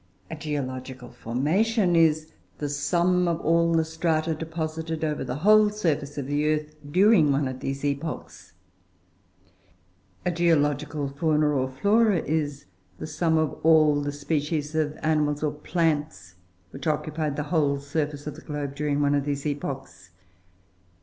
A geological formation is the sum of all the strata deposited over the whole surface of the earth during one of these epochs: a geological fauna or flora is the sum of all the species of animals or plants which occupied the whole surface of the globe, during one of these epochs.